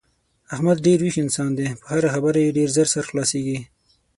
احمد ډېر ویښ انسان دی په هره خبره یې ډېر زر سر خلاصېږي.